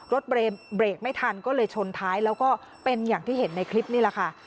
รถเบรกไม่ทันก็เลยชนท้ายแล้วก็เป็นอย่างที่เห็นในคลิปนี่แหละค่ะ